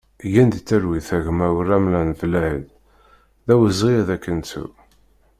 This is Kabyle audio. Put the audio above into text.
Gen di talwit a gma Uramlan Blaïd, d awezɣi ad k-nettu!